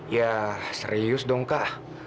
ya serius dong kak